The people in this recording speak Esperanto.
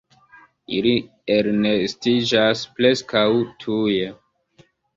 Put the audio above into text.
Ili elnestiĝas preskaŭ tuje.